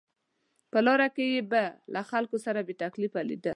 په لاره کې به یې له خلکو سره بې تکلفه لیدل.